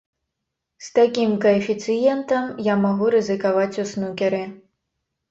З такім каэфіцыентам я магу рызыкаваць у снукеры.